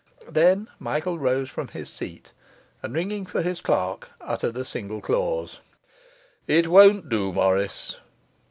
Then Michael rose from his seat, and, ringing for his clerk, uttered a single clause: 'It won't do, Morris.